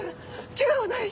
怪我はない？